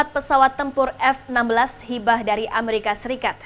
empat pesawat tempur f enam belas hibah dari amerika serikat